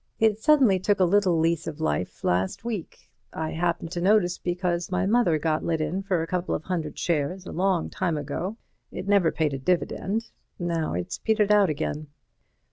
It suddenly took a little lease of life last week. I happened to notice it because my mother got let in for a couple of hundred shares a long time ago. It never paid a dividend. Now it's petered out again."